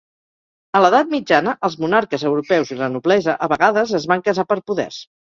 A l'edat mitjana, els monarques europeus i la noblesa a vegades es van casar per poders.